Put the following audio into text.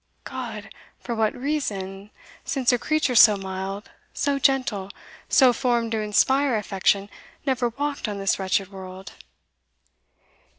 "God! for what reason, since a creature so mild, so gentle, so formed to inspire affection, never walked on this wretched world?"